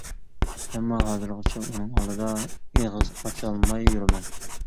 ئەمما ھازىرغىچە ئۇنىڭ ئالدىدا ئېغىز ئاچالماي يۈرىمەن.